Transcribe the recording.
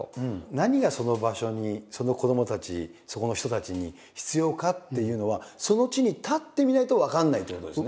何がその場所にその子どもたちそこの人たちに必要かっていうのはその地に立ってみないと分かんないってことですね。